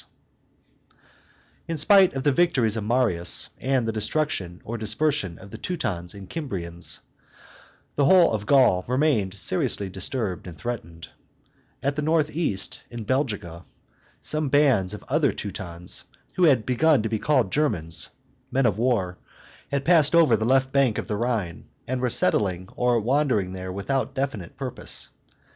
[Illustration: The Roman Army invading Gaul 61] In spite of the victories of Marius, and the destruction or dispersion of the Teutons and Cimbrians, the whole of Gaul remained seriously disturbed and threatened. At the north east, in Belgica, some bands of other Teutons, who had begun to be called Germans (men of war), had passed over the left bank of the Rhine, and were settling or wandering there without definite purpose.